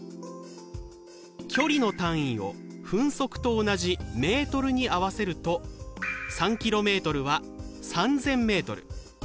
距離の単位を分速と同じメートルに合わせると３ｋｍは３０００ｍ。